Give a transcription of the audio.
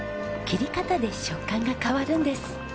切り方で食感が変わるんです。